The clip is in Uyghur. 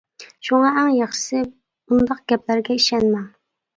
شۇڭا ئەڭ ياخشىسى ئۇنداق گەپلەرگە ئىشەنمەڭ.